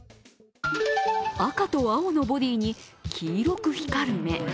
赤と青のボディに黄色く光る目。